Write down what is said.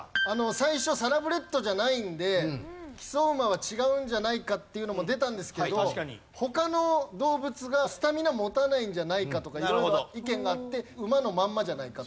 最初サラブレッドじゃないんで木曽馬は違うんじゃないかっていうのも出たんですけど他の動物がスタミナ持たないんじゃないかとか色々意見があって馬のまんまじゃないかと。